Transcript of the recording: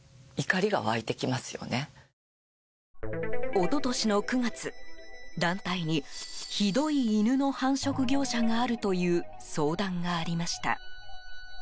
一昨年の９月、団体にひどい犬の繁殖業者があるという相談がありました。